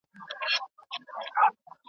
له کوهي د منګوټیو را ایستل وه .